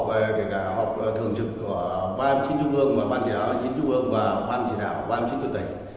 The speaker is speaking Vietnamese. để cả họp thường trực của ban chính trung ương và ban chính đạo ban chính trung ương và ban chính đạo ban chính tư tỉnh